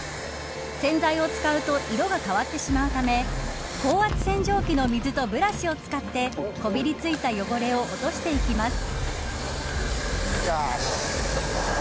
洗剤を使うと色が変わってしまうため高圧洗浄機の水とブラシを使ってこびりついた汚れを落としていきます。